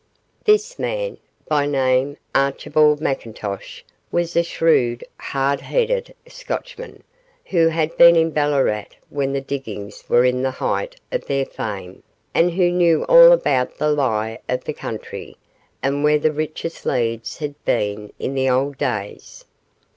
This man, by name Archibald McIntosh, was a shrewd, hard headed Scotchman, who had been in Ballarat when the diggings were in the height of their fame, and who knew all about the lie of the country and where the richest leads had been in the old days.